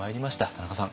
田中さん